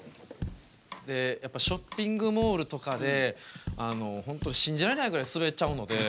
ショッピングモールとかで本当信じられないぐらいスベっちゃうので。